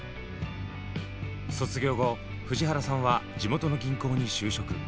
卒業後藤原さんは地元の銀行に就職。